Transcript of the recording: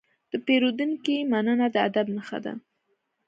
د پیرودونکي مننه د ادب نښه ده.